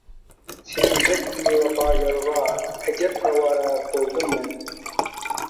سېنىڭدەك بىۋاپا يارغا، ئەجەب ئاۋارە بولدۇممەن.